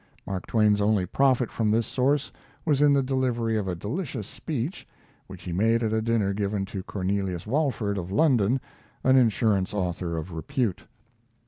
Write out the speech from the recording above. Mark Twain's only profit from this source was in the delivery of a delicious speech, which he made at a dinner given to Cornelius Walford, of London, an insurance author of repute.